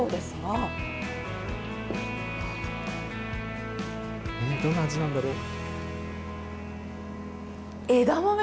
どんな味なんだろう？